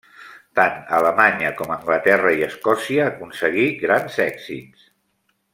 Tant a Alemanya com a Anglaterra i Escòcia aconseguí grans èxits.